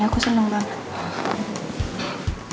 aku seneng banget